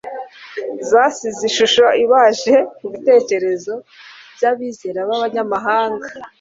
zasize ishusho ibabaje mu bitekerezo by’abizera b’Abanyamahanga.